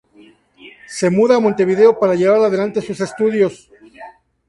Se muda a Montevideo para llevar adelante sus estudios.